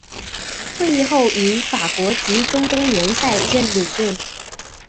退役后于法国及中东联赛任领队。